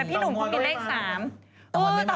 แต่พี่หนุ่มคงมีเลข๓ต่างวันไม่มาต่างวันไม่มา